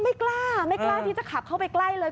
ไม่กล้าไม่กล้าที่จะขับเข้าไปใกล้เลย